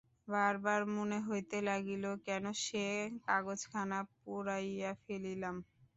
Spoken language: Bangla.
বারবার মনে হইতে লাগিল, কেন সে কাগজখানা পুড়াইয়া ফেলিলাম।